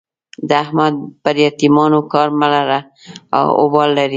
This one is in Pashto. د احمد پر يتيمانو کار مه لره؛ اوبال لري.